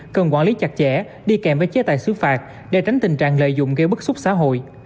cần quản lý chặt chẽ đi kèm với chế tài xứ phạt để tránh tình trạng lợi dụng gây bức xúc xã hội